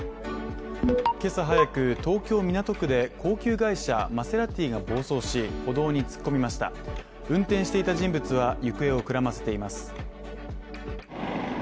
今朝早く、東京港区で高級外車マセラティが暴走し、歩道に突っ込みました運転していた人物は行方をくらませています。